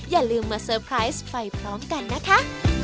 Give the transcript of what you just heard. อย่าลืมมาเซอร์ไพรส์ไปพร้อมกันนะคะ